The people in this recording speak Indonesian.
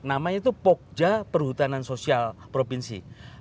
namanya itu pogja perhutanan sosial provinsi